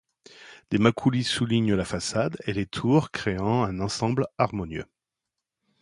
Des mâchicoulis soulignent la façade et les tours créant un ensemble harmonieux.